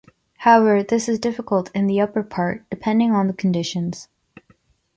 However, this is difficult in the upper part depending on the conditions.